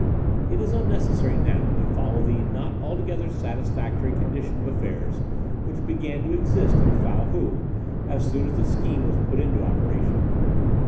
"It is unnecessary now to follow the not altogether satisfactory condition of affairs which began to exist in Fow Hou as soon as the scheme was put into operation.